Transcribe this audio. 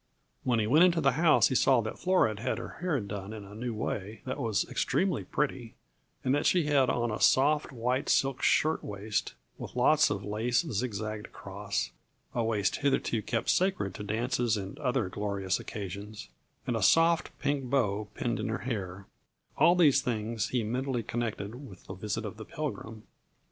When he went into the house he saw that Flora had her hair done in a new way that was extremely pretty, and that she had on a soft, white silk shirt waist with lots of lace zigzagged across a waist hitherto kept sacred to dances and other glorious occasions and a soft, pink bow pinned in her hair; all these things he mentally connected with the visit of the Pilgrim.